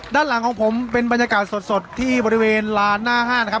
ด้านหลังของผมเป็นบรรยากาศสดที่บริเวณลานหน้าห้างนะครับ